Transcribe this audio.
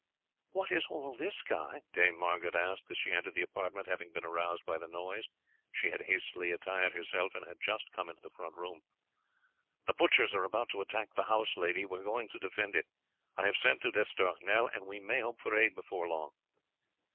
"What is all this, Guy?" Dame Margaret asked as she entered the apartment. Having been aroused by the noise she had hastily attired herself, and had just come into the front room. "The butchers are about to attack the house, lady; we are going to defend it. I have sent to D'Estournel, and we may hope for aid before long."